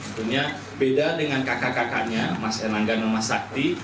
sebenarnya beda dengan kakak kakaknya mas enangga dan mas sakti